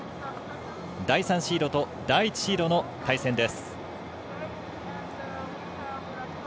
第３シードと第１シードの対戦です。